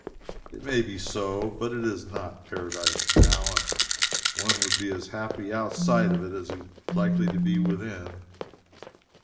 It may be so, but it is not paradise now, and one would be as happy outside of it as he would be likely to be within.